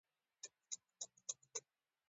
افغانستان له ځمکه ډک دی.